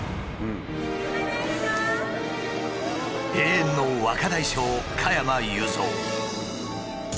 永遠の若大将加山雄三。